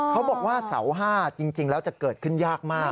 เขาบอกว่าเสาห้าจริงแล้วจะเกิดขึ้นยากมาก